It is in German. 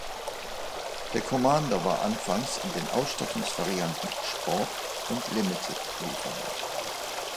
Der Commander war anfangs in den Ausstattungsvarianten "Sport" und "Limited" lieferbar.